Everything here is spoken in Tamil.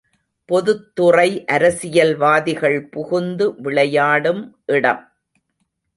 பொதுத்துறை, அரசியல்வாதிகள் புகுந்து விளையாடும் இடம்!